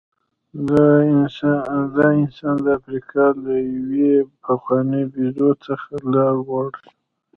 دا انسان د افریقا له یوې پخوانۍ بیزو څخه راولاړ شو.